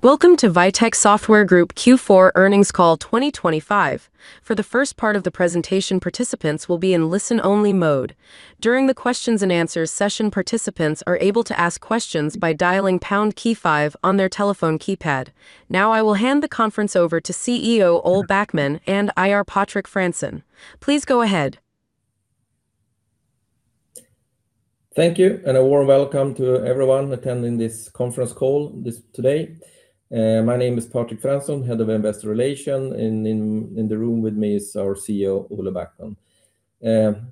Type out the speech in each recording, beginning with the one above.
Welcome to Vitec Software Group Q4 Earnings Call 2025. For the first part of the presentation, participants will be in listen-only mode. During the questions-and-answers session, participants are able to ask questions by dialing pound key five on their telephone keypad. Now I will hand the conference over to CEO Olle Backman and IR Patrik Fransson. Please go ahead. Thank you, and a warm welcome to everyone attending this conference call today. My name is Patrik Fransson, Head of Investor Relations, and in the room with me is our CEO Olle Backman.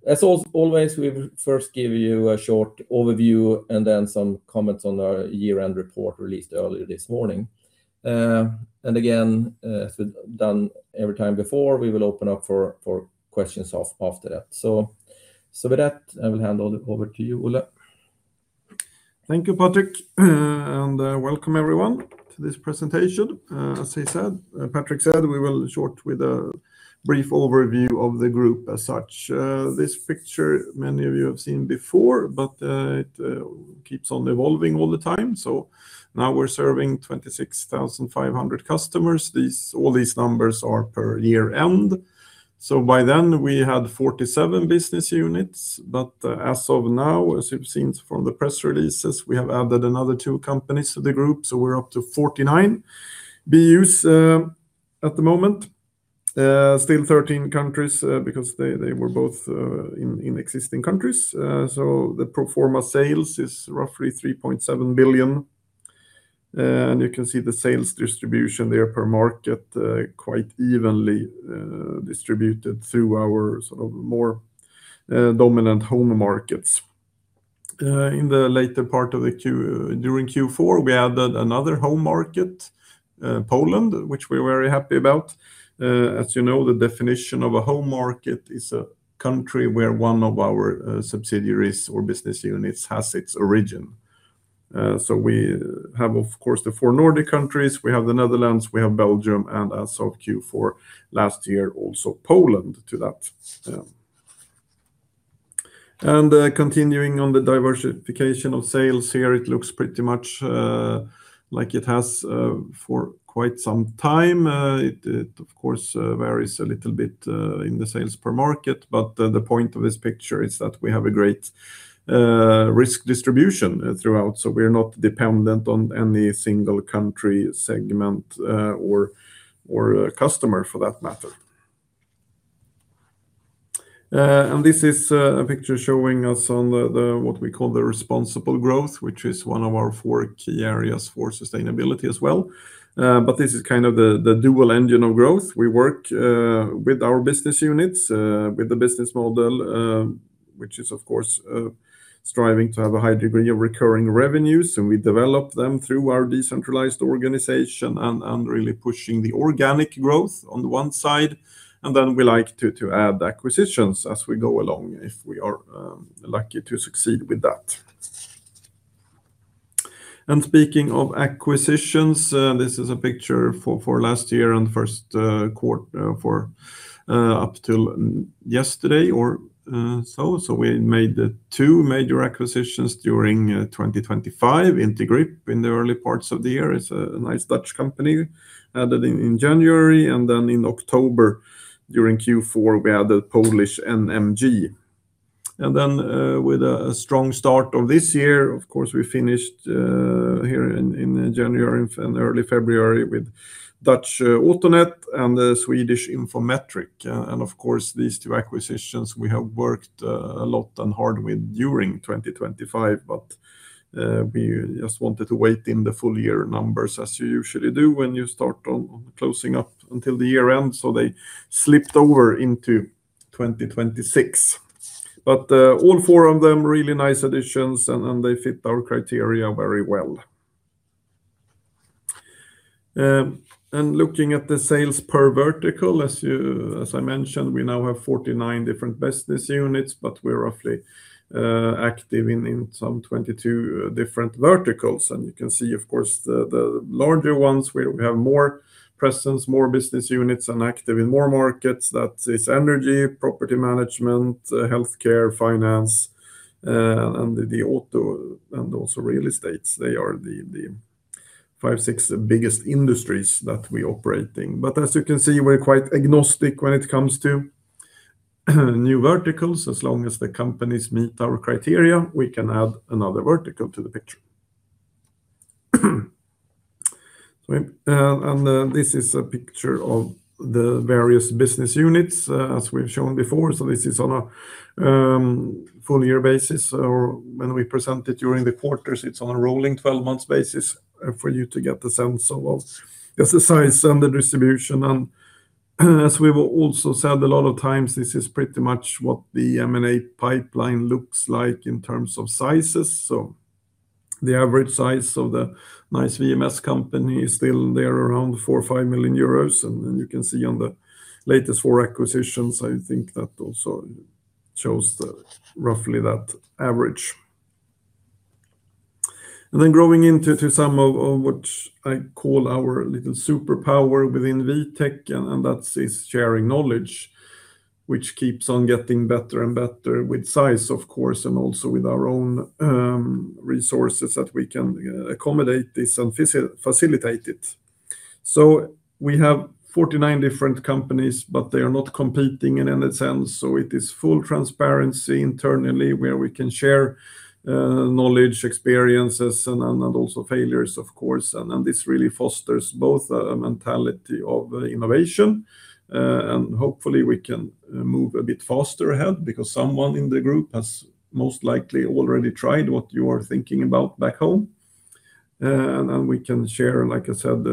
As always, we'll first give you a short overview and then some comments on our year-end report released earlier this morning. Again, as we've done every time before, we will open up for questions after that. With that, I will hand over to you, Olle. Thank you, Patrik, and welcome everyone to this presentation. As I said, Patrik said, we will start with a brief overview of the group as such. This picture many of you have seen before, but it keeps on evolving all the time. So now we're serving 26,500 customers. All these numbers are per year-end. So by then, we had 47 business units. But as of now, as you've seen from the press releases, we have added another two companies to the group, so we're up to 49 BUs at the moment. Still 13 countries because they were both in existing countries. So the pro forma sales is roughly 3.7 billion. And you can see the sales distribution there per market quite evenly distributed through our sort of more dominant home markets. In the later part of the Q during Q4, we added another home market, Poland, which we're very happy about. As you know, the definition of a home market is a country where one of our subsidiaries or business units has its origin. We have, of course, the four Nordic countries. We have the Netherlands. We have Belgium. As of Q4 last year, also Poland to that. Continuing on the diversification of sales here, it looks pretty much like it has for quite some time. It, of course, varies a little bit in the sales per market. But the point of this picture is that we have a great risk distribution throughout. We're not dependent on any single country, segment, or customer for that matter. And this is a picture showing us on what we call the responsible growth, which is one of our four key areas for sustainability as well. But this is kind of the dual engine of growth. We work with our business units, with the business model, which is, of course, striving to have a high degree of recurring revenues. And we develop them through our decentralized organization and really pushing the organic growth on the one side. And then we like to add acquisitions as we go along if we are lucky to succeed with that. And speaking of acquisitions, this is a picture for last year and first quarter up till yesterday or so. So we made two major acquisitions during 2025. Intergrip in the early parts of the year is a nice Dutch company added in January. And then in October during Q4, we added Polish NMG. With a strong start of this year, of course, we finished here in January and early February with Dutch Autonet and Swedish Infometric. Of course, these two acquisitions, we have worked a lot and hard with during 2025, but we just wanted to wait in the full-year numbers as you usually do when you start on closing up until the year-end. They slipped over into 2026. All four of them really nice additions, and they fit our criteria very well. Looking at the sales per vertical, as I mentioned, we now have 49 different business units, but we're roughly active in some 22 different verticals. You can see, of course, the larger ones where we have more presence, more business units, and active in more markets. That is energy, property management, healthcare, finance, and also real estate. They are the five, six biggest industries that we operate in. But as you can see, we're quite agnostic when it comes to new verticals. As long as the companies meet our criteria, we can add another vertical to the picture. This is a picture of the various business units as we've shown before. This is on a full-year basis. When we present it during the quarters, it's on a rolling 12-month basis for you to get a sense of the size and the distribution. As we've also said a lot of times, this is pretty much what the M&A pipeline looks like in terms of sizes. The average size of the nice VMS company is still there around 4 million or 5 million euros. You can see on the latest four acquisitions, I think that also shows roughly that average. And then growing into some of what I call our little superpower within Vitec, and that is sharing knowledge, which keeps on getting better and better with size, of course, and also with our own resources that we can accommodate this and facilitate it. So we have 49 different companies, but they are not competing in any sense. So it is full transparency internally where we can share knowledge, experiences, and also failures, of course. And this really fosters both a mentality of innovation. And hopefully, we can move a bit faster ahead because someone in the group has most likely already tried what you are thinking about back home. And we can share, like I said,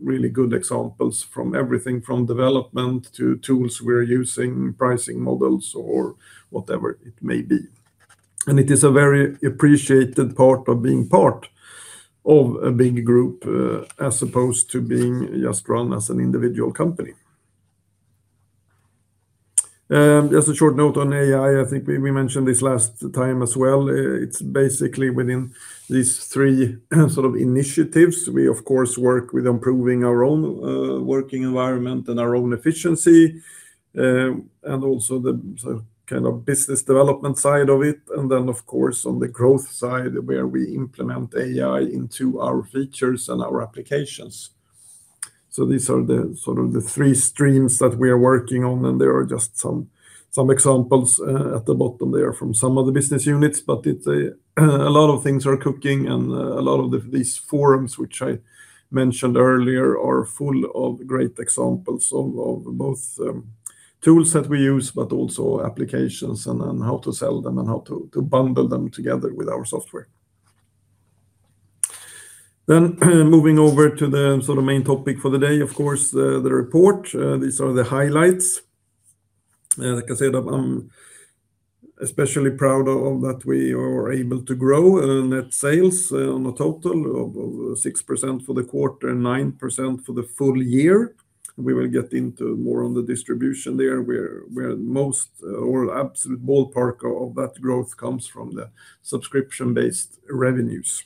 really good examples from everything from development to tools we're using, pricing models, or whatever it may be. It is a very appreciated part of being part of a big group as opposed to being just run as an individual company. Just a short note on AI. I think we mentioned this last time as well. It's basically within these three sort of initiatives, we, of course, work with improving our own working environment and our own efficiency and also the kind of business development side of it. And then, of course, on the growth side where we implement AI into our features and our applications. So these are sort of the three streams that we are working on. And there are just some examples at the bottom there from some of the business units. But a lot of things are cooking. A lot of these forums, which I mentioned earlier, are full of great examples of both tools that we use but also applications and how to sell them and how to bundle them together with our software. Moving over to the sort of main topic for the day, of course, the report. These are the highlights. Like I said, I'm especially proud of that we were able to grow net sales on a total of 6% for the quarter and 9% for the full year. We will get into more on the distribution there, where most or absolute ballpark of that growth comes from the subscription-based revenues.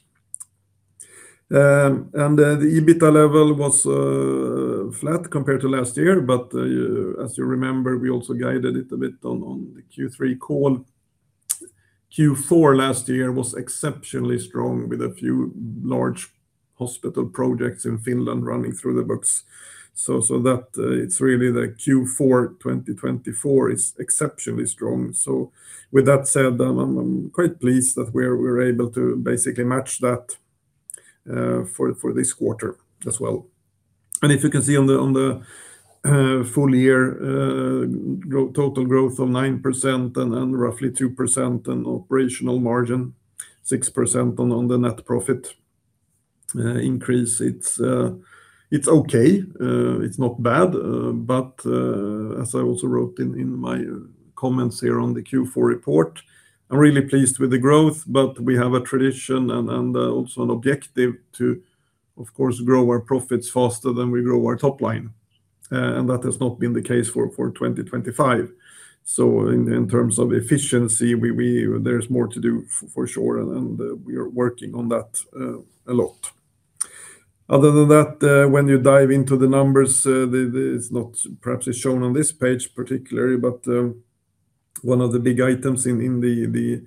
The EBITDA level was flat compared to last year. As you remember, we also guided it a bit on the Q3 call. Q4 last year was exceptionally strong with a few large hospital projects in Finland running through the books. So it's really the Q4 2024 is exceptionally strong. So with that said, I'm quite pleased that we're able to basically match that for this quarter as well. And if you can see on the full-year total growth of 9% and roughly 2% and operational margin, 6% on the net profit increase, it's okay. It's not bad. But as I also wrote in my comments here on the Q4 report, I'm really pleased with the growth. But we have a tradition and also an objective to, of course, grow our profits faster than we grow our topline. And that has not been the case for 2025. So in terms of efficiency, there's more to do for sure, and we are working on that a lot. Other than that, when you dive into the numbers, perhaps it's shown on this page particularly, but one of the big items in the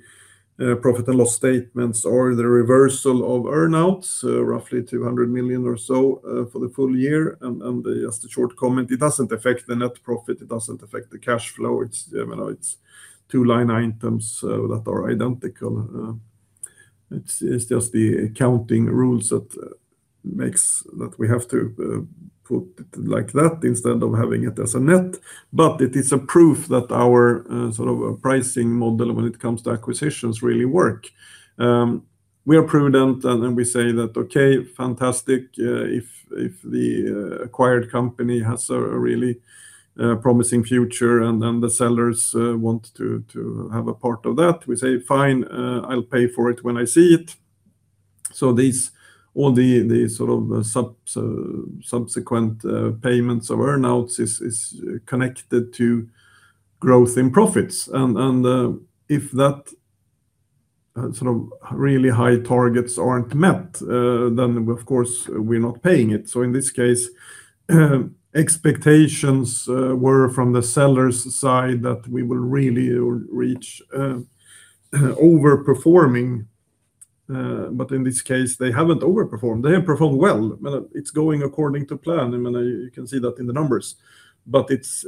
profit and loss statements are the reversal of earnouts, roughly 200 million or so for the full year. Just a short comment, it doesn't affect the net profit. It doesn't affect the cash flow. I mean, it's two line items that are identical. It's just the accounting rules that makes that we have to put it like that instead of having it as a net. It is a proof that our sort of pricing model when it comes to acquisitions really work. We are prudent, and we say that, "Okay, fantastic. If the acquired company has a really promising future and the sellers want to have a part of that," we say, "Fine, I'll pay for it when I see it." So all the sort of subsequent payments of earnouts is connected to growth in profits. And if that sort of really high targets aren't met, then, of course, we're not paying it. So in this case, expectations were from the sellers' side that we will really reach overperforming. But in this case, they haven't overperformed. They have performed well. I mean, it's going according to plan. I mean, you can see that in the numbers. But it's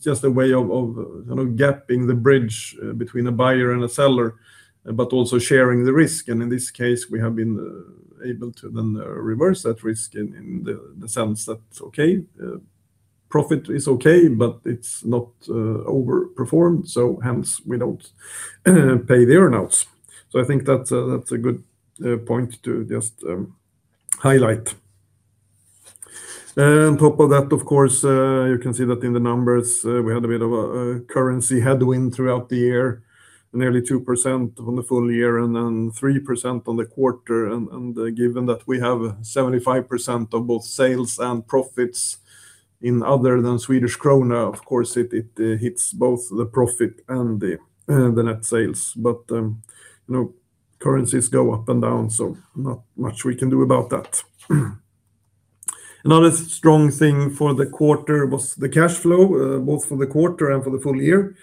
just a way of sort of bridging the gap between a buyer and a seller but also sharing the risk. And in this case, we have been able to then reverse that risk in the sense that, "Okay, profit is okay, but it's not overperformed. So hence, we don't pay the earnouts." So I think that's a good point to just highlight. On top of that, of course, you can see that in the numbers, we had a bit of a currency headwind throughout the year, nearly 2% on the full year and then 3% on the quarter. And given that we have 75% of both sales and profits in other than Swedish krona, of course, it hits both the profit and the net sales. But currencies go up and down, so not much we can do about that. Another strong thing for the quarter was the cash flow, both for the quarter and for the full year.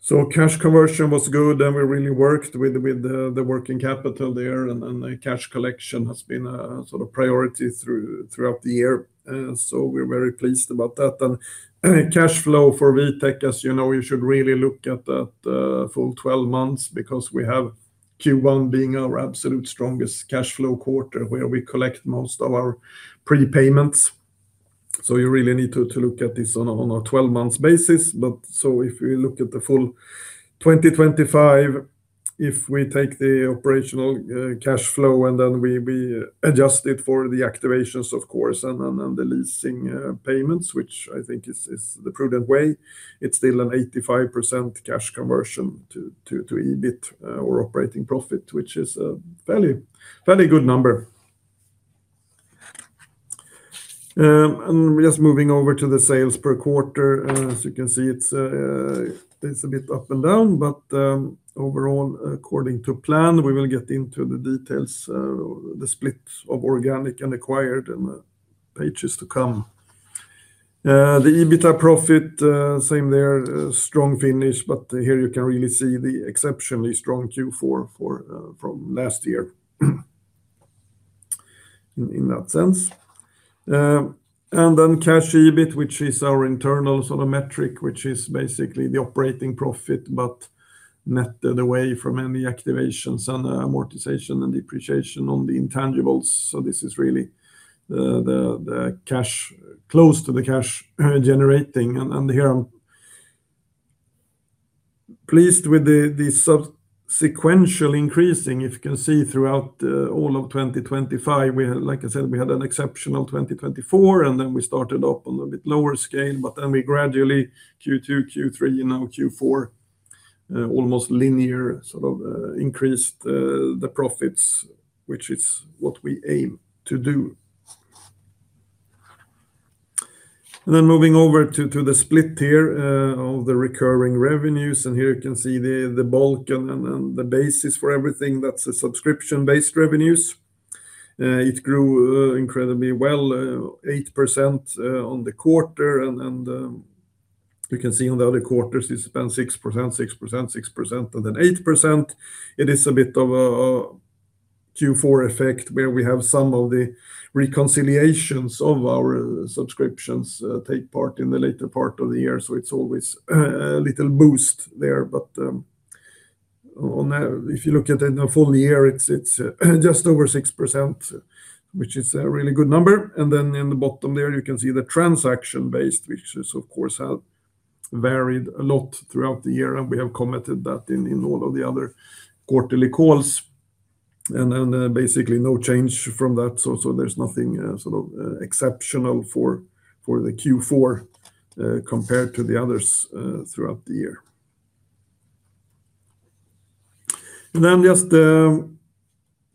So cash conversion was good, and we really worked with the working capital there. And cash collection has been a sort of priority throughout the year. So we're very pleased about that. And cash flow for Vitec, as you know, you should really look at that full 12 months because we have Q1 being our absolute strongest cash flow quarter where we collect most of our prepayments. So you really need to look at this on a 12-month basis. But so if we look at the full 2025, if we take the operational cash flow and then we adjust it for the activations, of course, and the leasing payments, which I think is the prudent way, it's still an 85% cash conversion to EBIT or operating profit, which is a fairly good number. Just moving over to the sales per quarter, as you can see, it's a bit up and down. But overall, according to plan, we will get into the details, the split of organic and acquired in the pages to come. The EBITDA profit, same there, strong finish. But here you can really see the exceptionally strong Q4 from last year in that sense. And then Cash EBIT, which is our internal sort of metric, which is basically the operating profit but netted away from any capitalizations and amortization and depreciation on the intangibles. So this is really close to the cash generating. And here I'm pleased with the sequential increasing. If you can see throughout all of 2025, like I said, we had an exceptional 2024, and then we started up on a bit lower scale. But then we gradually, Q2, Q3, and now Q4, almost linear sort of increased the profits, which is what we aim to do. Then moving over to the split here of the recurring revenues. Here you can see the bulk and the basis for everything. That's the subscription-based revenues. It grew incredibly well, 8% on the quarter. You can see on the other quarters, it's been 6%, 6%, 6%, and then 8%. It is a bit of a Q4 effect where we have some of the reconciliations of our subscriptions take part in the later part of the year. So it's always a little boost there. But if you look at the full year, it's just over 6%, which is a really good number. Then in the bottom there, you can see the transaction-based, which has, of course, varied a lot throughout the year. We have committed that in all of the other quarterly calls. Basically, no change from that. So there's nothing sort of exceptional for the Q4 compared to the others throughout the year. Then just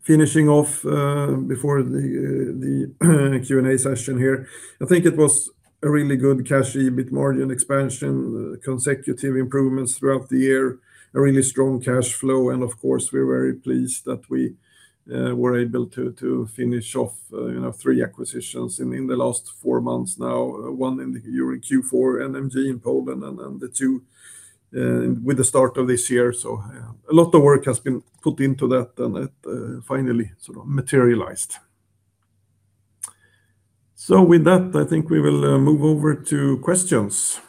finishing off before the Q&A session here, I think it was a really good Cash EBIT margin expansion, consecutive improvements throughout the year, a really strong cash flow. Of course, we're very pleased that we were able to finish off three acquisitions in the last four months now, one during Q4 NMG in Poland and the two with the start of this year. A lot of work has been put into that, and it finally sort of materialized. With that, I think we will move over to questions.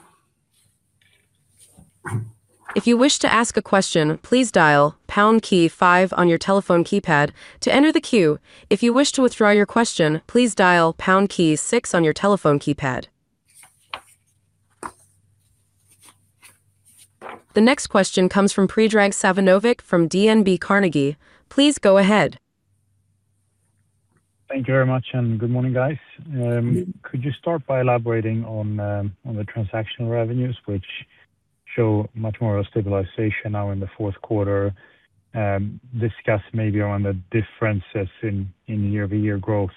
If you wish to ask a question, please dial pound key five on your telephone keypad to enter the queue. If you wish to withdraw your question, please dial pound key six on your telephone keypad. The next question comes from Predrag Savinovic from Carnegie Investment Bank. Please go ahead. Thank you very much. And good morning, guys. Could you start by elaborating on the transactional revenues, which show much more stabilization now in the fourth quarter? Discuss maybe around the differences in year-over-year growth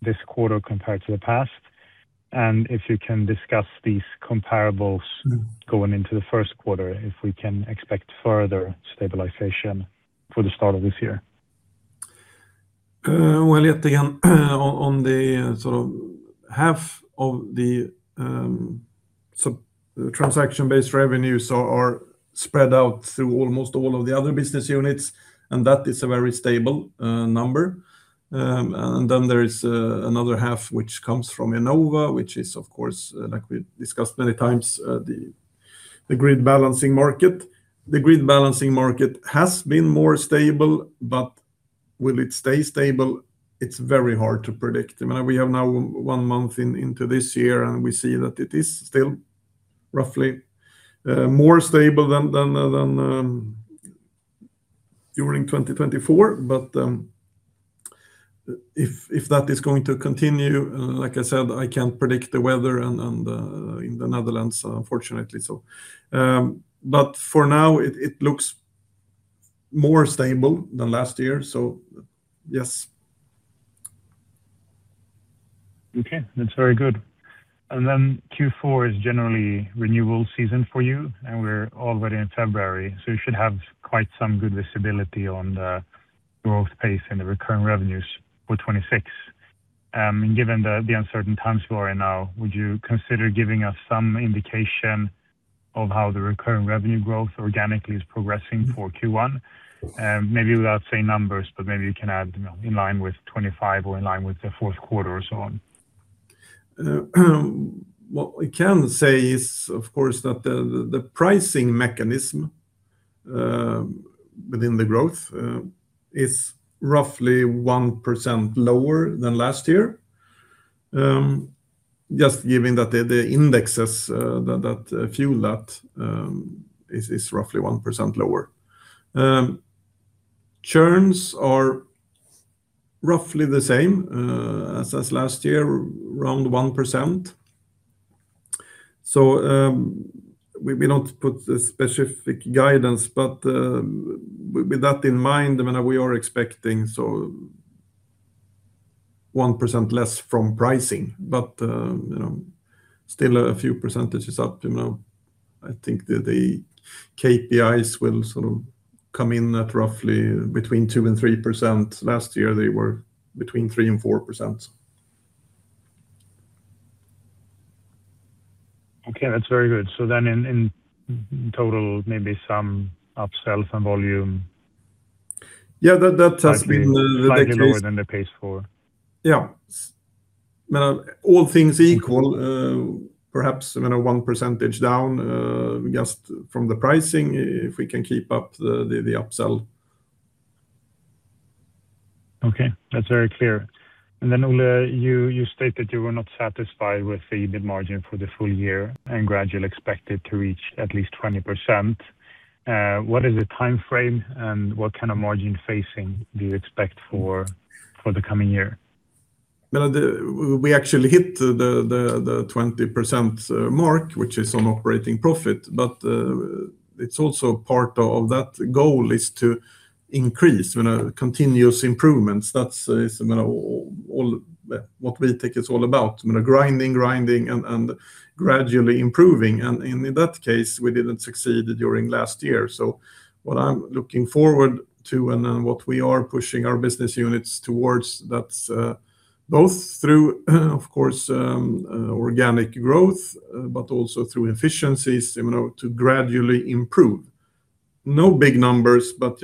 this quarter compared to the past. And if you can discuss these comparables going into the first quarter, if we can expect further stabilization for the start of this year. Well, yet again, on the sort of half of the transaction-based revenues are spread out through almost all of the other business units, and that is a very stable number. And then there is another half which comes from Enova, which is, of course, like we discussed many times, the grid balancing market. The grid balancing market has been more stable. But will it stay stable? It's very hard to predict. I mean, we have now one month into this year, and we see that it is still roughly more stable than during 2024. But if that is going to continue, like I said, I can't predict the weather in the Netherlands, unfortunately, so. But for now, it looks more stable than last year. So yes. Okay. That's very good. And then Q4 is generally renewal season for you, and we're already in February. So you should have quite some good visibility on growth pace in the recurring revenues for 2026. And given the uncertain times we are in now, would you consider giving us some indication of how the recurring revenue growth organically is progressing for Q1? Maybe without saying numbers, but maybe you can add in line with 2025 or in line with the fourth quarter or so on. What we can say is, of course, that the pricing mechanism within the growth is roughly 1% lower than last year. Just giving that the indexes that fuel that is roughly 1% lower. Churns are roughly the same as last year, around 1%. So we don't put specific guidance. But with that in mind, I mean, we are expecting 1% less from pricing, but still a few percentages up. I think the KPIs will sort of come in at roughly between 2%-3%. Last year, they were between 3%-4%. Okay. That's very good. So then in total, maybe some upsells and volume. Yeah, that has been the decade. Slightly more than the pace for. Yeah. I mean, all things equal, perhaps 1% down just from the pricing if we can keep up the upsell. Okay. That's very clear. And then, Olle, you state that you were not satisfied with the EBIT margin for the full year and gradually expected to reach at least 20%. What is the timeframe, and what kind of margin facing do you expect for the coming year? I mean, we actually hit the 20% mark, which is on operating profit. But it's also part of that goal is to increase, I mean, continuous improvements. That's what Vitec is all about, I mean, grinding, grinding, and gradually improving. And in that case, we didn't succeed during last year. So what I'm looking forward to and what we are pushing our business units towards, that's both through, of course, organic growth but also through efficiencies to gradually improve. No big numbers, but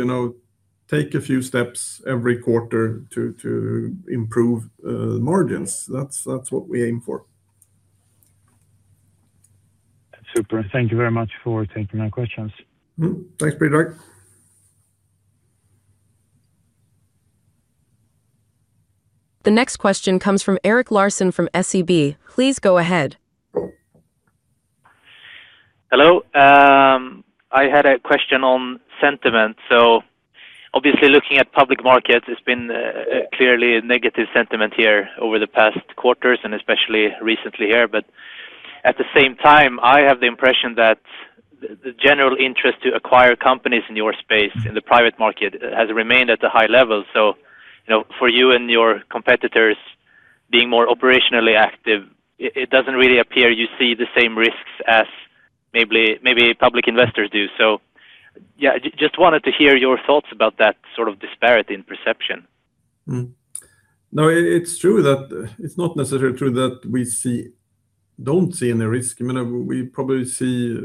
take a few steps every quarter to improve margins. That's what we aim for. Super. Thank you very much for taking my questions. Thanks, Predrag. The next question comes from Erik Larsson from SEB. Please go ahead. Hello. I had a question on sentiment. So obviously, looking at public markets, it's been clearly negative sentiment here over the past quarters and especially recently here. But at the same time, I have the impression that the general interest to acquire companies in your space, in the private market, has remained at a high level. So for you and your competitors being more operationally active, it doesn't really appear you see the same risks as maybe public investors do. So yeah, just wanted to hear your thoughts about that sort of disparity in perception. No, it's true that it's not necessarily true that we don't see any risk. I mean, we probably see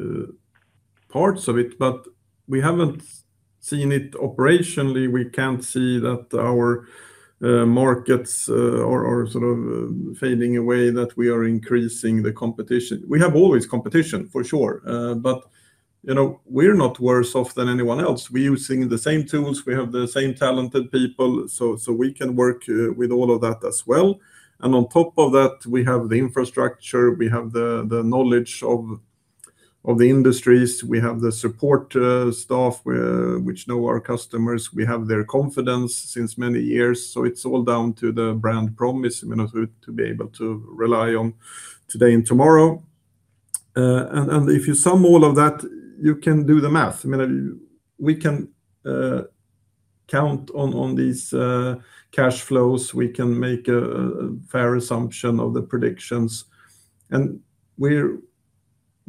parts of it, but we haven't seen it operationally. We can't see that our markets are sort of fading away, that we are increasing the competition. We have always competition, for sure. But we're not worse off than anyone else. We're using the same tools. We have the same talented people, so we can work with all of that as well. And on top of that, we have the infrastructure. We have the knowledge of the industries. We have the support staff, which know our customers. We have their confidence since many years. So it's all down to the brand promise to be able to rely on today and tomorrow. And if you sum all of that, you can do the math. I mean, we can count on these cash flows. We can make a fair assumption of the predictions.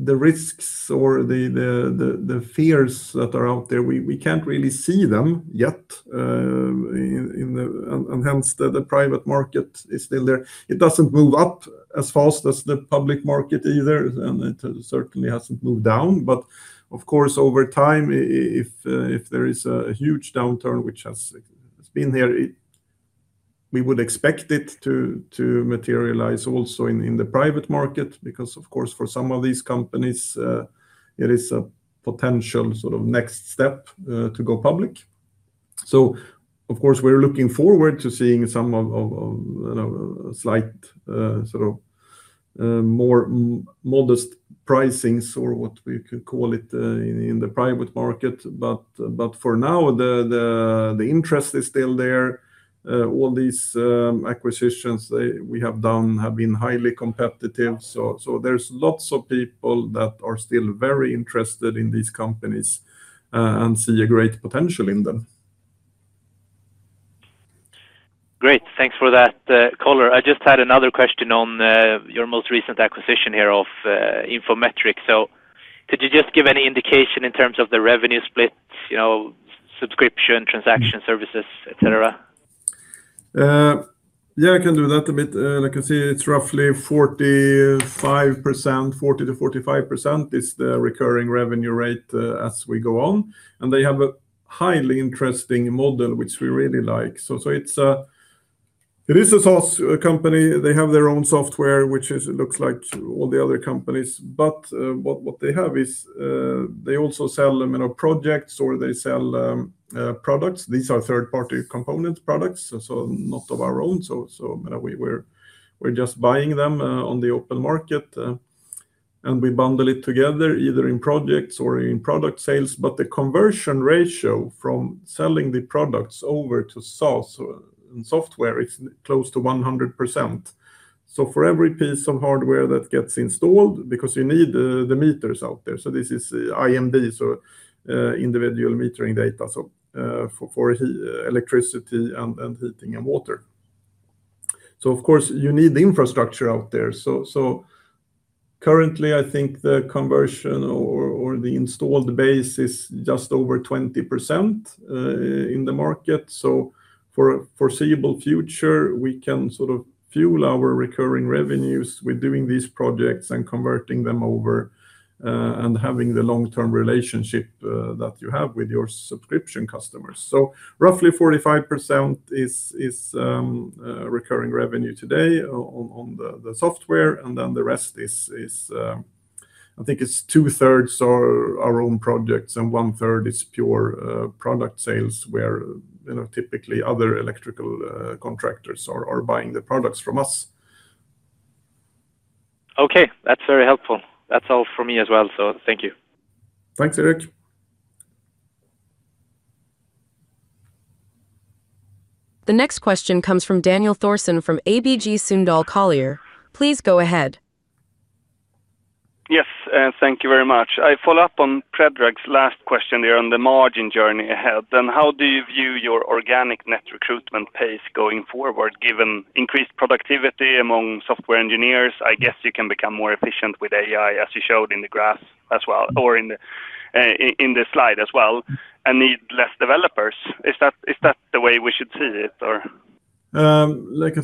The risks or the fears that are out there, we can't really see them yet. Hence, the private market is still there. It doesn't move up as fast as the public market either, and it certainly hasn't moved down. But of course, over time, if there is a huge downturn, which has been here, we would expect it to materialize also in the private market because, of course, for some of these companies, it is a potential sort of next step to go public. So of course, we're looking forward to seeing some of slight sort of more modest pricings or what we could call it in the private market. But for now, the interest is still there. All these acquisitions we have done have been highly competitive. There's lots of people that are still very interested in these companies and see a great potential in them. Great. Thanks for that, Olle. I just had another question on your most recent acquisition here of Infometric. Could you just give any indication in terms of the revenue split, subscription, transaction services, etc.? Yeah, I can do that a bit. Like I said, it's roughly 45%. 40%-45% is the recurring revenue rate as we go on. And they have a highly interesting model, which we really like. So it is a SaaS company. They have their own software, which looks like all the other companies. But what they have is they also sell projects or they sell products. These are third-party component products, so not of our own. So we're just buying them on the open market, and we bundle it together either in projects or in product sales. But the conversion ratio from selling the products over to SaaS and software is close to 100%. So for every piece of hardware that gets installed because you need the meters out there. So this is IMD, so Individual Metering and Debiting, so for electricity and heating and water. Of course, you need the infrastructure out there. Currently, I think the conversion or the installed base is just over 20% in the market. For a foreseeable future, we can sort of fuel our recurring revenues with doing these projects and converting them over and having the long-term relationship that you have with your subscription customers. Roughly 45% is recurring revenue today on the software. Then the rest is, I think, 2/3 are our own projects, and 1/3 is pure product sales where typically other electrical contractors are buying the products from us. Okay. That's very helpful. That's all from me as well, so thank you. Thanks, Erik. The next question comes from Daniel Thorsson from ABG Sundal Collier. Please go ahead. Yes. Thank you very much. I follow up on Predrag's last question here on the margin journey ahead. Then how do you view your organic net recruitment pace going forward given increased productivity among software engineers? I guess you can become more efficient with AI, as you showed in the graph as well or in the slide as well, and need less developers. Is that the way we should see it, or? Like I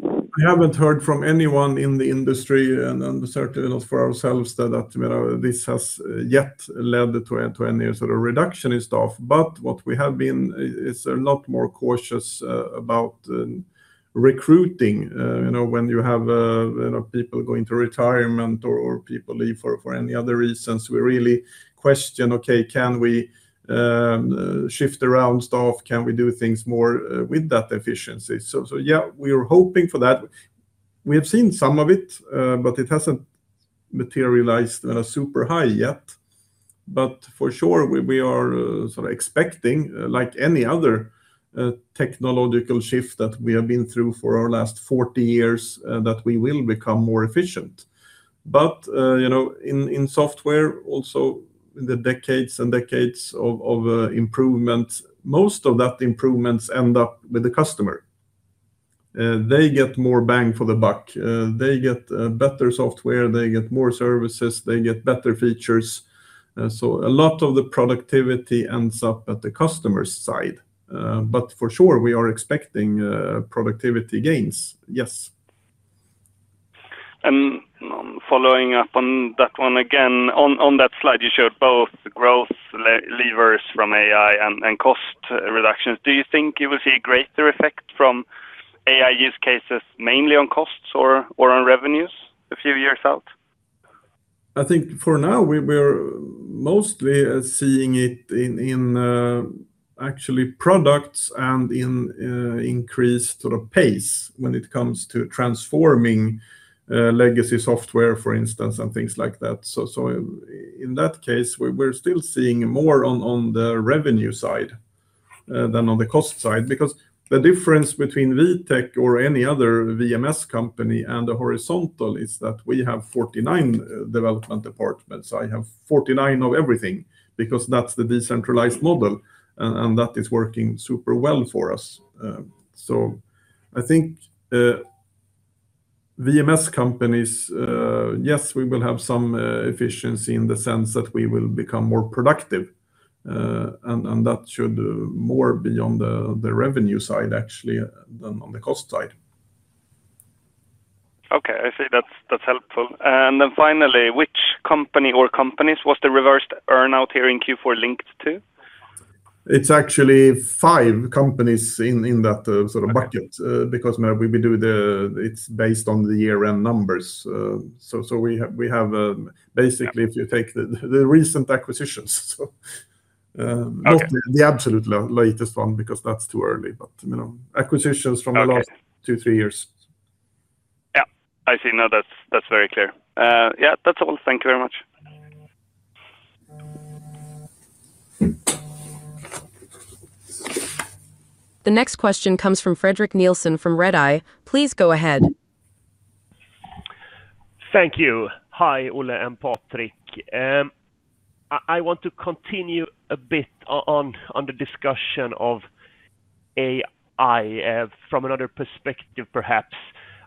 said, we haven't heard from anyone in the industry and certainly not for ourselves that this has yet led to any sort of reduction in staff. But what we have been is a lot more cautious about recruiting. When you have people going to retirement or people leave for any other reasons, we really question, "Okay, can we shift around staff? Can we do things more with that efficiency?" So yeah, we're hoping for that. We have seen some of it, but it hasn't materialized super high yet. But for sure, we are sort of expecting, like any other technological shift that we have been through for our last 40 years, that we will become more efficient. But in software, also, in the decades and decades of improvement, most of that improvements end up with the customer. They get more bang for the buck. They get better software. They get more services. They get better features. So a lot of the productivity ends up at the customer's side. But for sure, we are expecting productivity gains. Yes. Following up on that one again, on that slide, you showed both growth levers from AI and cost reductions. Do you think you will see a greater effect from AI use cases, mainly on costs or on revenues a few years out? I think for now, we're mostly seeing it in actually products and in increased sort of pace when it comes to transforming legacy software, for instance, and things like that. So in that case, we're still seeing more on the revenue side than on the cost side because the difference between Vitec or any other VMS company and the horizontal is that we have 49 development departments. I have 49 of everything because that's the decentralized model, and that is working super well for us. So I think VMS companies, yes, we will have some efficiency in the sense that we will become more productive. And that should more be on the revenue side, actually, than on the cost side. Okay. I see. That's helpful. And then finally, which company or companies was the reversed earnout here in Q4 linked to? It's actually five companies in that sort of bucket because we do the it's based on the year-end numbers. So we have basically, if you take the recent acquisitions, so not the absolute latest one because that's too early, but acquisitions from the last two, three years. Yeah. I see. No, that's very clear. Yeah, that's all. Thank you very much. The next question comes from Fredrik Nilsson from Redeye. Please go ahead. Thank you. Hi, Olle and Patrik. I want to continue a bit on the discussion of AI from another perspective, perhaps.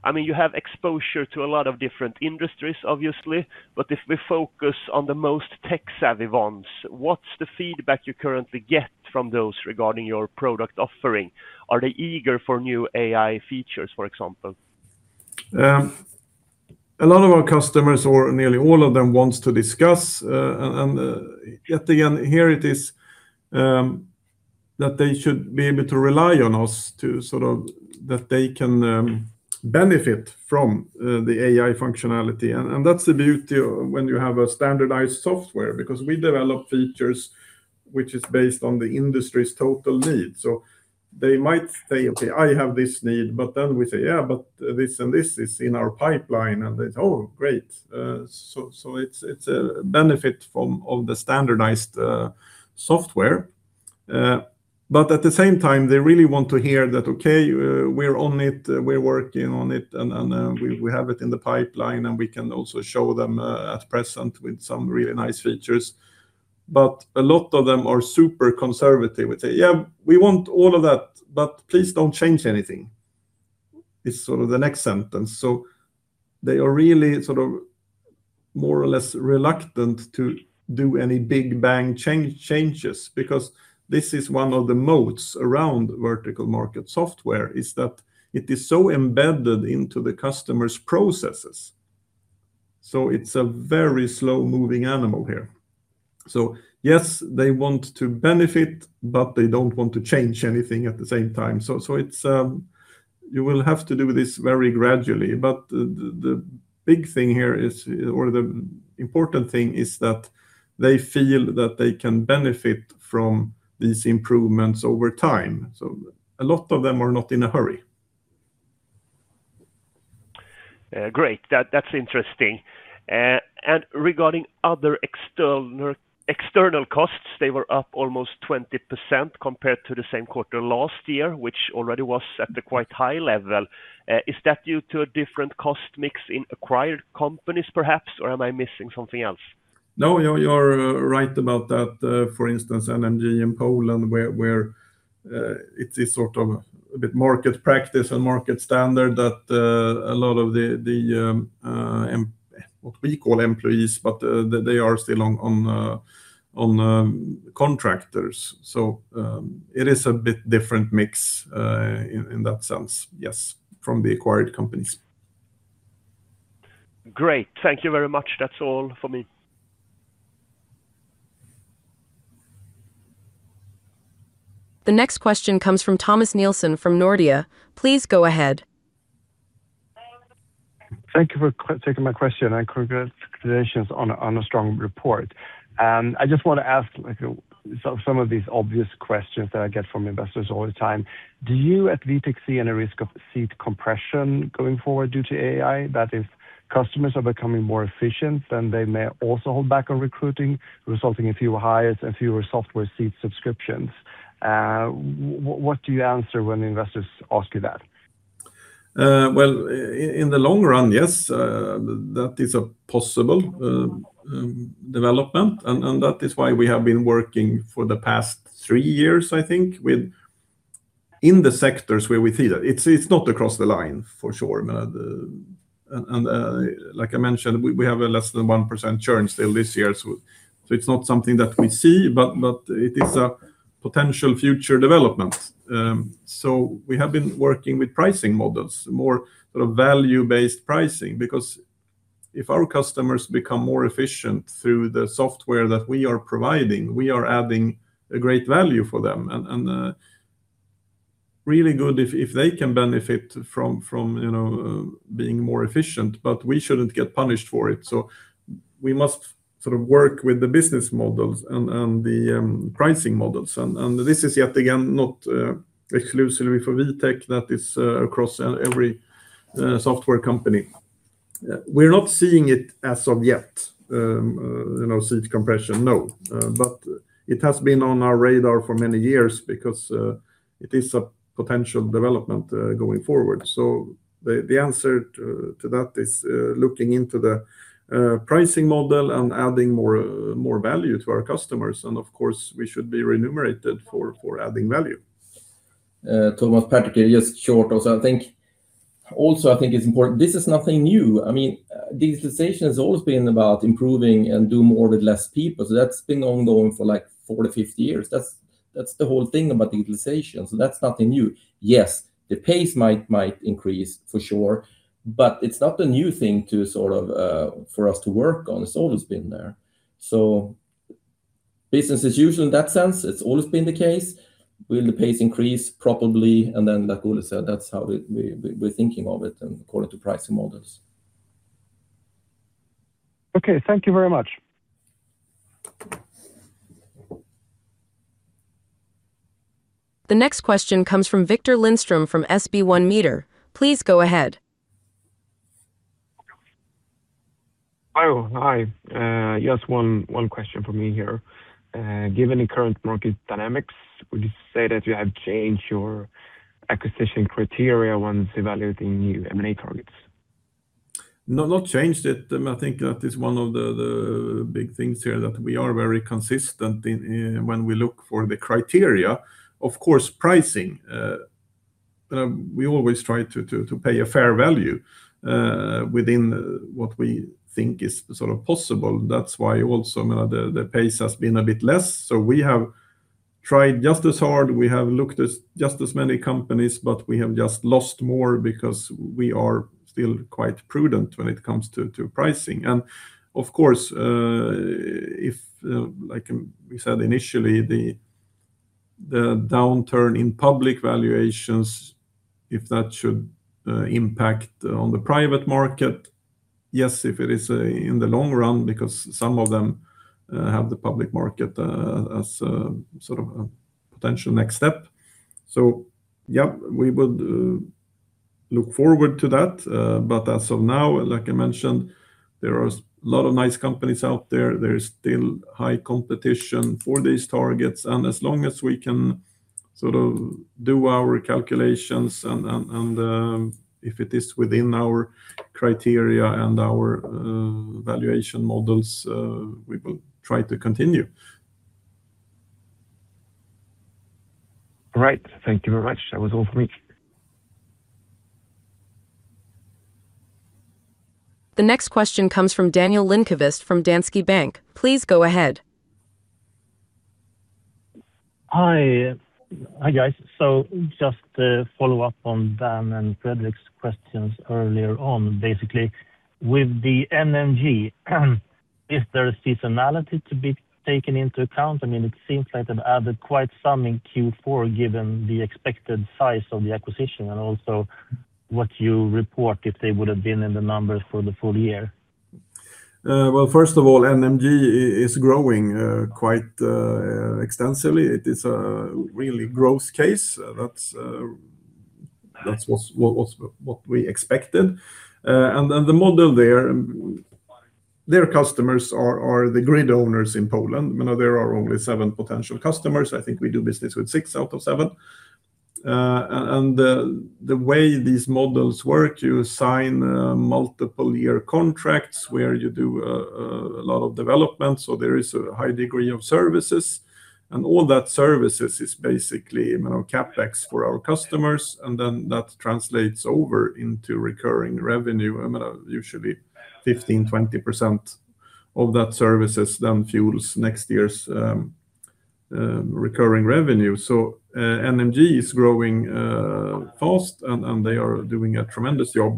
I mean, you have exposure to a lot of different industries, obviously. But if we focus on the most tech-savvy ones, what's the feedback you currently get from those regarding your product offering? Are they eager for new AI features, for example? A lot of our customers, or nearly all of them, want to discuss. And yet again, here it is that they should be able to rely on us to sort of that they can benefit from the AI functionality. And that's the beauty when you have a standardized software because we develop features which is based on the industry's total need. So they might say, "Okay, I have this need," but then we say, "Yeah, but this and this is in our pipeline." And they say, "Oh, great." So it's a benefit from the standardized software. But at the same time, they really want to hear that, "Okay, we're on it. We're working on it, and we have it in the pipeline, and we can also show them at present with some really nice features." But a lot of them are super conservative. They say, "Yeah, we want all of that, but please don't change anything." It's sort of the next sentence. So they are really sort of more or less reluctant to do any big bang changes because this is one of the moats around vertical market software, is that it is so embedded into the customer's processes. So it's a very slow-moving animal here. So yes, they want to benefit, but they don't want to change anything at the same time. So you will have to do this very gradually. But the big thing here is, or the important thing, is that they feel that they can benefit from these improvements over time. So a lot of them are not in a hurry. Great. That's interesting. Regarding other external costs, they were up almost 20% compared to the same quarter last year, which already was at a quite high level. Is that due to a different cost mix in acquired companies, perhaps, or am I missing something else? No, you're right about that. For instance, NMG in Poland, where it is sort of a bit market practice and market standard that a lot of the what we call employees, but they are still on contractors. So it is a bit different mix in that sense, yes, from the acquired companies. Great. Thank you very much. That's all for me. The next question comes from Thomas Nilsson from Nordea. Please go ahead. Thank you for taking my question and congratulations on a strong report. I just want to ask some of these obvious questions that I get from investors all the time. Do you at Vitec see any risk of seat compression going forward due to AI? That is, customers are becoming more efficient, and they may also hold back on recruiting, resulting in fewer hires and fewer software seat subscriptions. What do you answer when investors ask you that? Well, in the long run, yes, that is a possible development. And that is why we have been working for the past three years, I think, in the sectors where we see that. It's not across the line, for sure. And like I mentioned, we have less than 1% churn still this year. So it's not something that we see, but it is a potential future development. So we have been working with pricing models, more sort of value-based pricing because if our customers become more efficient through the software that we are providing, we are adding a great value for them. And really good if they can benefit from being more efficient, but we shouldn't get punished for it. So we must sort of work with the business models and the pricing models. And this is, yet again, not exclusively for Vitec. That is across every software company. We're not seeing it as of yet, seat compression—no. But it has been on our radar for many years because it is a potential development going forward. So the answer to that is looking into the pricing model and adding more value to our customers. And of course, we should be remunerated for adding value. Thomas, Patrik, just short also. Also, I think it's important this is nothing new. I mean, digitalization has always been about improving and do more with less people. So that's been ongoing for like 40, 50 years. That's the whole thing about digitalization. So that's nothing new. Yes, the pace might increase, for sure, but it's not a new thing for us to work on. It's always been there. So business is usual in that sense. It's always been the case. Will the pace increase? Probably. And then, like Olle said, that's how we're thinking of it and according to pricing models. Okay. Thank you very much. The next question comes from Victor Lindström from SpareBank 1 Markets. Please go ahead. Hello. Hi. Just one question for me here. Given the current market dynamics, would you say that you have changed your acquisition criteria when evaluating new M&A targets? Not changed it. I think that is one of the big things here that we are very consistent when we look for the criteria. Of course, pricing. We always try to pay a fair value within what we think is sort of possible. That's why also the pace has been a bit less. So we have tried just as hard. We have looked at just as many companies, but we have just lost more because we are still quite prudent when it comes to pricing. And of course, like we said initially, the downturn in public valuations, if that should impact on the private market, yes, if it is in the long run because some of them have the public market as sort of a potential next step. So yeah, we would look forward to that. But as of now, like I mentioned, there are a lot of nice companies out there. There is still high competition for these targets. And as long as we can sort of do our calculations and if it is within our criteria and our valuation models, we will try to continue. All right. Thank you very much. That was all for me. The next question comes from Daniel Lindkvist from Danske Bank. Please go ahead. Hi, guys. So just to follow up on Dan and Fredrik's questions earlier on. Basically, with the NMG, is there a seasonality to be taken into account? I mean, it seems like they've added quite some in Q4 given the expected size of the acquisition and also what you report if they would have been in the numbers for the full year. Well, first of all, NMG is growing quite extensively. It is a really growth case. That's what we expected. And then the model there, their customers are the grid owners in Poland. There are only seven potential customers. I think we do business with six out of seven. And the way these models work, you sign multiple-year contracts where you do a lot of development. So there is a high degree of services. And all that services is basically CapEx for our customers. And then that translates over into recurring revenue. Usually, 15%-20% of that services then fuels next year's recurring revenue. So NMG is growing fast, and they are doing a tremendous job.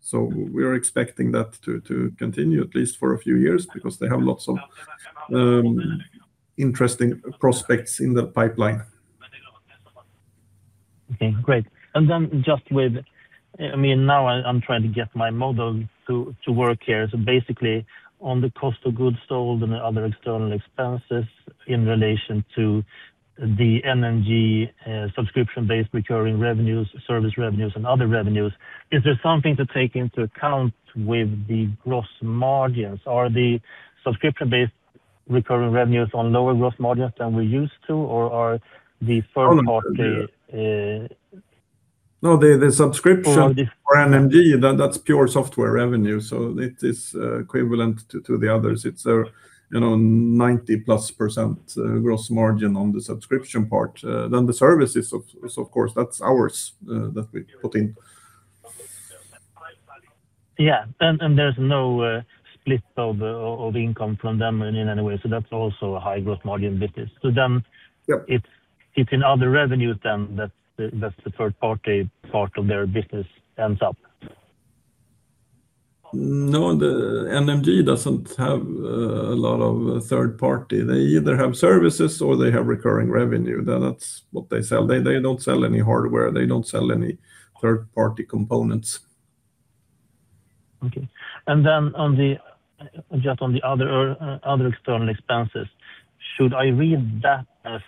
So we are expecting that to continue at least for a few years because they have lots of interesting prospects in the pipeline. Okay. Great. And then just with, I mean, now I'm trying to get my model to work here. So basically, on the cost of goods sold and other external expenses in relation to the NMG subscription-based recurring revenues, service revenues, and other revenues, is there something to take into account with the gross margins? Are the subscription-based recurring revenues on lower gross margins than we're used to, or are the third-party? No, the subscription for NMG, that's pure software revenue. So it is equivalent to the others. It's a 90%+ gross margin on the subscription part. Then the services, of course, that's ours that we put in. Yeah. There's no split of income from them in any way. That's also a high gross margin business. Then it's in other revenues that the third-party part of their business ends up. No, the NMG doesn't have a lot of third-party. They either have services or they have recurring revenue. That's what they sell. They don't sell any hardware. They don't sell any third-party components. Okay. And then just on the other external expenses, should I read that as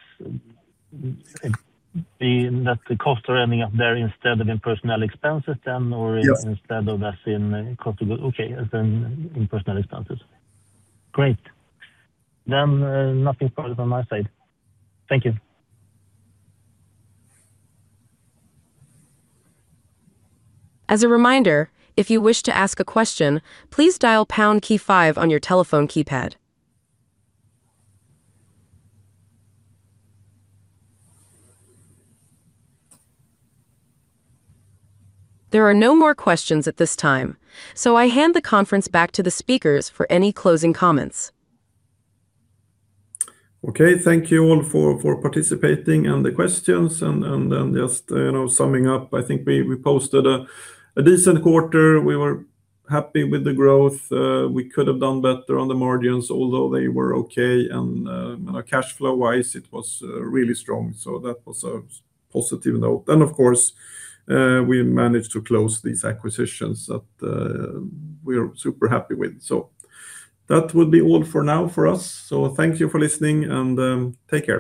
the cost of revenue up there instead of in personnel expenses then, or instead of as in cost of goods? Okay, as in personnel expenses. Great. Then nothing further from my side. Thank you. As a reminder, if you wish to ask a question, please dial pound key five on your telephone keypad. There are no more questions at this time, so I hand the conference back to the speakers for any closing comments. Okay. Thank you all for participating and the questions. And then just summing up, I think we posted a decent quarter. We were happy with the growth. We could have done better on the margins, although they were okay. And cash flow-wise, it was really strong. So that was a positive note. And of course, we managed to close these acquisitions that we're super happy with. So that would be all for now for us. So thank you for listening, and take care.